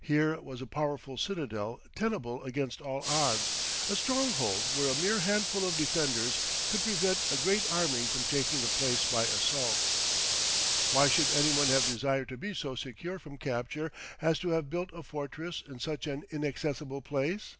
Here was a powerful citadel tenable against all odds, a stronghold where a mere handful of defenders could prevent a great army from taking the place by assault. Why should any one have desired to be so secure from capture as to have built a fortress in such an inaccessible place?